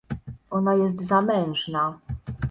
"Ona jest zamężna."